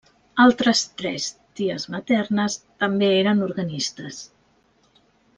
Altres tres ties maternes també eren organistes.